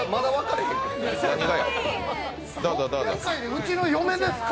うちの嫁ですか？